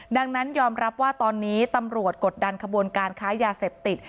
ดังนั้นยอมรับว่าตอนนี้ตำรวจกดดันขบวนการค้ายาเสพติด